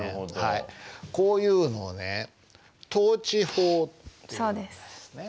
こういうのをね倒置法っていうんですね。